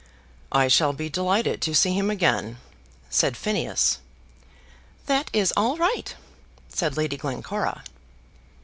"I shall be delighted to see him again," said Phineas. "That is all right," said Lady Glencora.